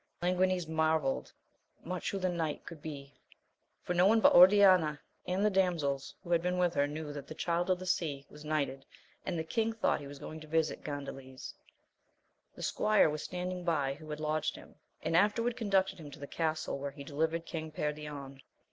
Languines marvailed much who the knight could be, for no one but Oriana, and the damsels who had been with her, knew that the Child of the Sea was knighted, and the king thought he was gone to visit Gandales. The squire was standing by who had lodged him, and afterward conducted him to the castle where he delivered King Perion.